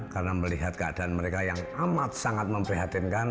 karena melihat keadaan mereka yang amat sangat memprihatinkan